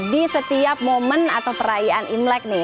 di setiap momen atau perayaan imlek nih